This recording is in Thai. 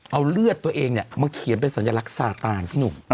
เอาเลือดตัวเองมาเขียนเป็นสัญลักษาตายพี่หนุ่ม